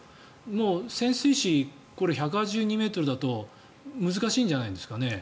もう潜水士、１８２ｍだと難しいんじゃないですかね。